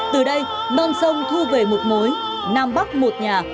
từ đây con sông thu về một mối nam bắc một nhà